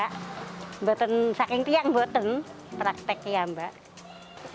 saya berlatih di kiamba di kota sakingtiang